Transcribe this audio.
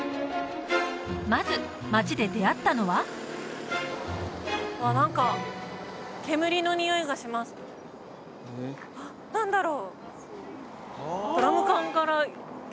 まず街で出会ったのはあっ何か何だろう？